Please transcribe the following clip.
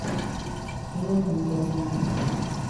সময় সমীকরণের সমাধান।